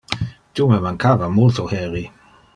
Tu me mancava multo heri.